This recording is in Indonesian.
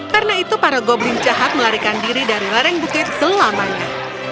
karena itu para goblin jahat melarikan diri dari lareng bukit selamanya